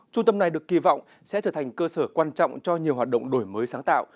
trung tâm này được kỳ vọng sẽ trở thành cơ sở quan trọng cho nhiều hoạt động đổi mới sáng tạo